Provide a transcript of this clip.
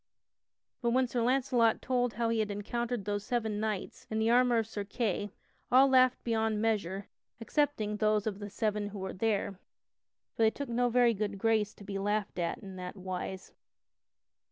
But when Sir Launcelot told how he had encountered those seven knights, in the armor of Sir Kay, all laughed beyond measure excepting those of the seven who were there, for they took no very good grace to be laughed at in that wise.